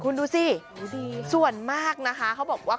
คุณดูสิส่วนมากนะคะเขาบอกว่า